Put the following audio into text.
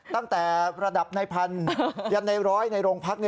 ตั้งแต่ระดับในพันยันในร้อยในโรงพัก